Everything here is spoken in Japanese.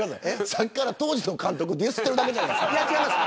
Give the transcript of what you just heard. さっきから当時の監督ディスってるだけじゃいや、違います。